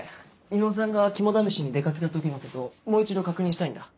伊能さんが肝試しに出掛けた時のことをもう一度確認したいんだ。